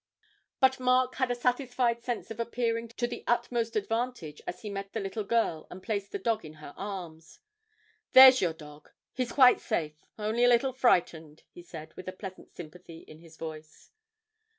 But Mark had a satisfied sense of appearing to the utmost advantage as he met the little girl and placed the dog in her arms. 'There's your dog; he's quite safe, only a little frightened,' he said, with a pleasant sympathy in his voice.